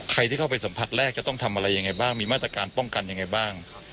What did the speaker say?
ที่เข้าไปสัมผัสแรกจะต้องทำอะไรยังไงบ้างมีมาตรการป้องกันยังไงบ้าง